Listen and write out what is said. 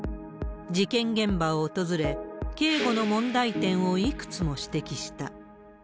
事件現場を訪れ、警護の問題点をいくつも指摘した。